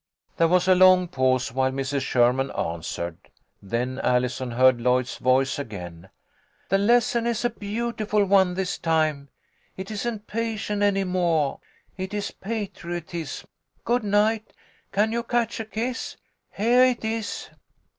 There was a long pause while Mrs. Sherman answered, then Allison heard Lloyd's voice again. " The lesson is a beautiful one this time. It isn't patience any moah. It is Patriotism. Good night. Can you catch a kiss ? Heah it is."